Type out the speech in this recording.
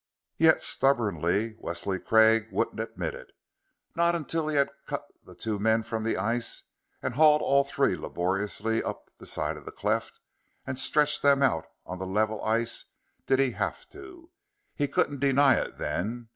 Yet, stubbornly, Wesley Craig wouldn't admit it. Not until he had cut the two men from the ice and hauled all three laboriously up the side of the cleft and stretched them out on the level ice, did he have to. He couldn't deny it, then.